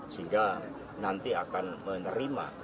sehingga nanti akan menerima